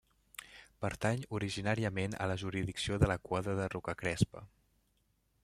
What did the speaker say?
Pertany originàriament a la jurisdicció de la Quadra de Rocacrespa.